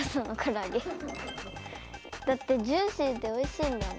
だってジューシーでおいしいんだもん。